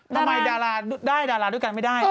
ทำไมดาลาได้ดาลาด้วยกันไม่ได้